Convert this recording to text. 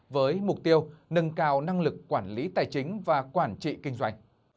với mục tiêu nâng cao năng lực quản lý tài chính và quản trị kinh doanh